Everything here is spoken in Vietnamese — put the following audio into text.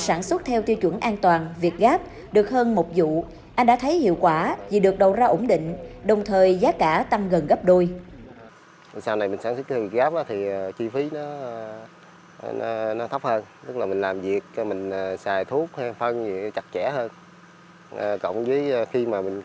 anh đã thấy hiệu quả vì được đầu ra ổn định đồng thời giá cả tăng gần gấp đôi